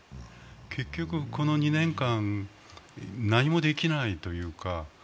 結局この２年間、何もできないというか。